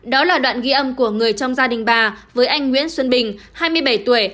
đó là đoạn ghi âm của người trong gia đình bà với anh nguyễn xuân bình hai mươi bảy tuổi